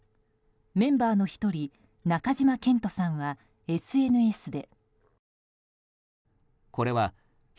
メンバーの１人中島健人さんはＳＮＳで。